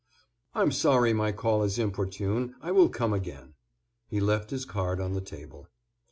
"I'm sorry my call is inopportune, I will come again." He left his card on the table.